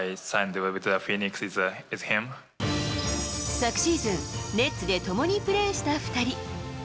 昨シーズン、ネッツで共にプレーした２人。